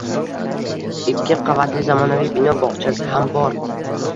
Ikki qavatli zamonaviy bino, bog‘chasi ham bor.